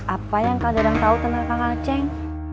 apa yang kang dadang tahu tentang kang aceh